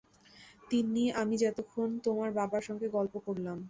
তিন্নি, আমি যে এতক্ষণ তোমার বাবার সঙ্গে গল্প করলাম।